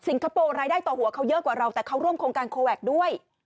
คโปร์รายได้ต่อหัวเขาเยอะกว่าเราแต่เขาร่วมโครงการโคแวคด้วย